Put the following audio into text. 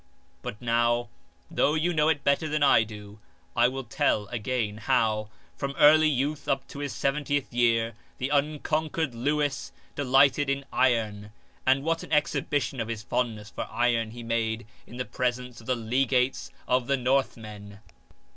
" But now, though you know it better than I do, I will tell again how, from early youth up to his seventieth year, the unconquered Lewis delighted in iron ; and what an exhibition of his fondness for iron he made in the presence of the legates of the Northmen